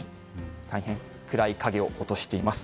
大変暗い影を落としています。